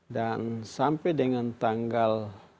dan sampai dengan tertular